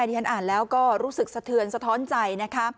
ที่ฉันอ่านแล้วก็รู้สึกเสถือนสะท้อนใจ